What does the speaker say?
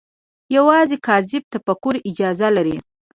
یوازې کاذب تفکر اجازه لري